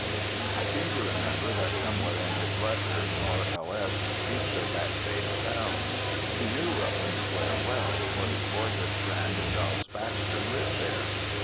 I seem to remember that somewhere in his letters R.L.S. speaks of that same sound. He knew Rutland Square well, for his boyhood friend Charles Baxter lived there.